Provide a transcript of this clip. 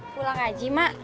pulang aja mak